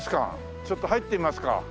ちょっと入ってみますか。